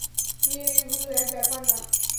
প্রিয়ে, এগুলো এক ব্যাপার না।